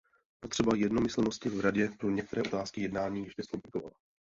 Potřeba jednomyslnosti v Radě pro některé otázky jednání ještě zkomplikovala.